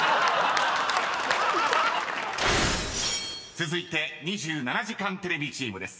［続いて２７時間テレビチームです